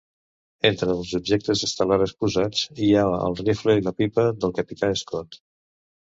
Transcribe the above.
Entre els objectes estel·lars exposats hi ha el rifle i la pipa del capità Scott.